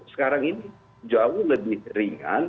sekarang ini jauh lebih ringan